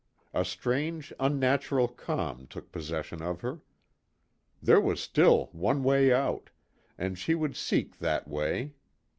A strange, unnatural calm took possession of her. There was still one way out and she would seek that way.